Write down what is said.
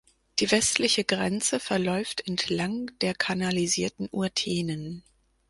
Die westliche Grenze verläuft entlang der kanalisierten Urtenen.